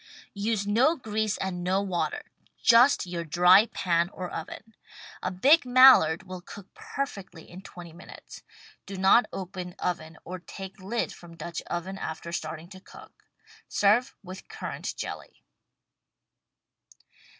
Use no grease and no water — ^just your dry pan or oven. A big Mallard will cook perfectly in WRITTEN FOR MEN BY MEN twenty minutes. Do not open oven or take lid from Dutch oven after starting to cook. Serve with currant jelly.